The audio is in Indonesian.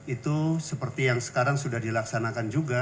itu seperti yang sekarang sudah dilaksanakan juga